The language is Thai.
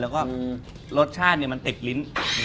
แล้วก็รสชาติมันติดลิ้น